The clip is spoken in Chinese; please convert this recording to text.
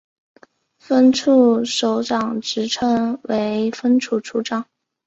分处首长职称为分处处长。